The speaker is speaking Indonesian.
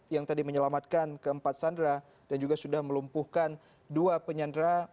yang tadi menyelamatkan keempat sandera dan juga sudah melumpuhkan dua penyandera